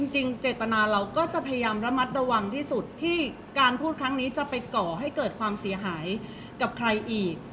จริงเจตนาเราก็จะพยายามระมัดระวังที่สุดที่การพูดครั้งนี้จะไปก่อให้เกิดความเสียหายกับใครอีก